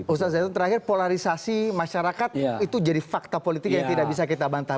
ustadz zaitun terakhir polarisasi masyarakat itu jadi fakta politik yang tidak bisa kita bantah